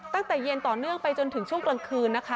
ตั้งแต่เย็นต่อเนื่องไปจนถึงช่วงกลางคืนนะคะ